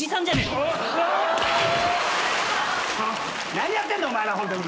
何やってんだお前らホントに。